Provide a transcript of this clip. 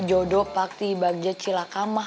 jodoh pakti bagja cilakamah